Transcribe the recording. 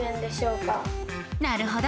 なるほど！